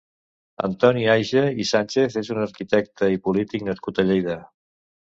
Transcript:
Antoni Aige i Sánchez és un arquitecte i polític nascut a Lleida.